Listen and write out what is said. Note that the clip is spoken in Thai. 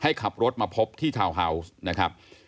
ให้ขับรถมาพบที่ทาวน์เฮาส์